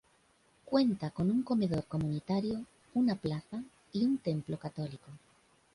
Cuenta con un comedor comunitario, una plaza y un templo católico.